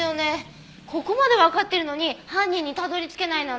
ここまでわかってるのに犯人にたどり着けないなんて。